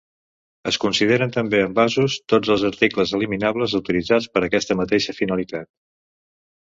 Es consideren també envasos tots els articles eliminables utilitzats per aquesta mateixa finalitat.